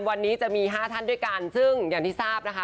วันนี้จะมี๕ท่านด้วยกันซึ่งอย่างที่ทราบนะคะ